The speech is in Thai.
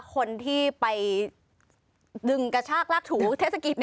คนที่ไปดึงกระชากลากถูเทศกิจ